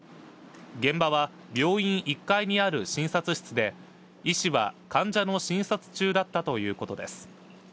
現場は病院１階にある診察室で、医師は患者の診察中だったということです。